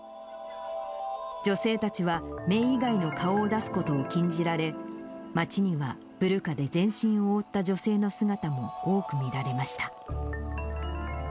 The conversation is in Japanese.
女性たちは目以外の顔を出すことを禁じられ、待ちにはブルカで全身を覆った女性の姿も多く見られました。